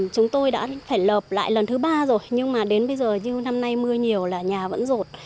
chúng tôi đã phải lợp lại lần thứ ba rồi nhưng mà đến bây giờ như năm nay mưa nhiều là nhà vẫn rột